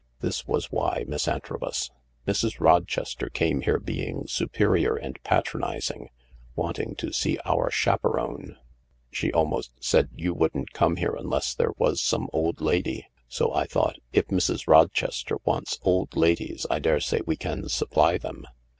This was why, Miss Antrobus. Mrs. Rochester came here being superior and patronising — wanting to see our chaperone. She almost said you wouldn't come here unless there was some old lady. So I thought, ' If Mrs* Rochester wants old ladies I daresay we can supply them.'